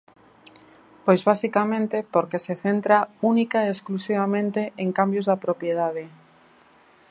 Pois basicamente porque se centra única e exclusivamente en cambios da propiedade.